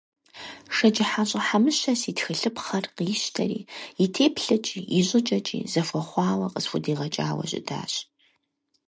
ШэджыхьэщӀэ Хьэмыщэ си тхылъыпхъэр къищтэри, и теплъэкӀи, и щӀыкӀэкӀи зэхуэхъуауэ къысхудигъэкӀауэ щытащ.